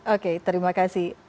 oke terima kasih